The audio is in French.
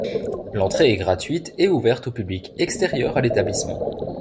L'entrée est gratuite et ouverte au public extérieur à l'établissement.